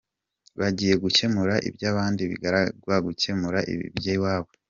Bagiye gukemura iby’abandi bibagirwa gukemura iby’iwabo.